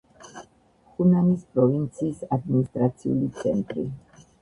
ხუნანის პროვინციის ადმინისტრაციული ცენტრი.